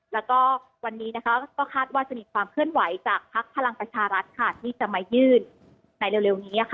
แล้วก็วันนี้ก็คาดว่าจะมีความเคลื่อนไหวจากภักดิ์พลังประชารัฐที่จะมายื่นในเร็วนี้